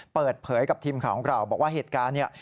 เปิดเผยกับทีมของเราบอกว่าเหตุการณ์